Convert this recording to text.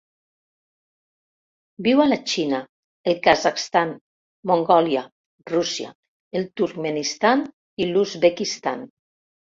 Viu a la Xina, el Kazakhstan, Mongòlia, Rússia, el Turkmenistan i l'Uzbekistan.